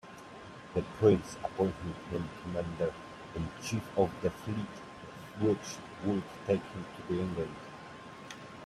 The Prince appointed him commander-in-chief of the fleet which would take him to England.